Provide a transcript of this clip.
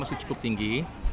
masih cukup tinggi